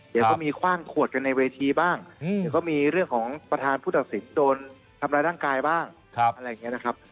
เดี๋ยวก็มีคว่างขวดกันในเวทีบ้างเดี๋ยวก็มีเรื่องของประธานผู้ตัดสินโดนทำร้ายร่างกายบ้างอะไรอย่างนี้นะครับ